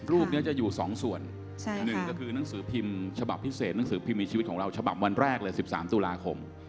รูปนี้จะอยู่๒ส่วนหนึ่งก็คือหนังสือพิมพ์ฉบับพิเศษหนังสือพิมพ์มีชีวิตของเราฉบับวันแรกเลย๑๓ตุลาคม